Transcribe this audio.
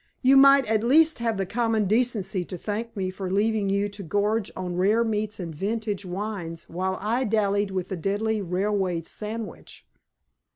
You might at least have the common decency to thank me for leaving you to gorge on rare meats and vintage wines while I dallied with the deadly railway sandwich."